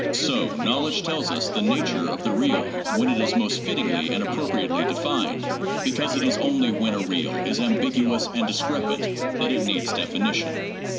So knowledge tells us the 'nature of the real when it is most fittingly and appropriately defined,' because it is only when a real is ambiguous and discrepant that it needs definition.